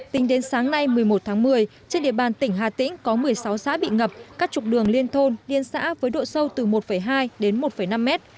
tính đến sáng nay một mươi một tháng một mươi trên địa bàn tỉnh hà tĩnh có một mươi sáu xã bị ngập các trục đường liên thôn liên xã với độ sâu từ một hai đến một năm mét